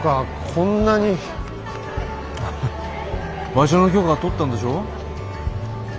場所の許可は取ったんでしょ？